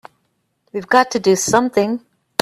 We've got to do something!